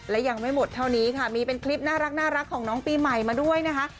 และยังไม่หมดเท่านี้ค่ะมีเป็นคลิปน่ารักของน้องปีใหม่มาด้วยนะคะ